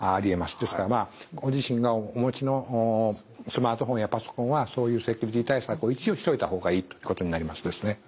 ですからご自身がお持ちのスマートフォンやパソコンはそういうセキュリティー対策を一応しといた方がいいということになります。